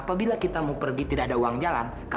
sampai jumpa di video selanjutnya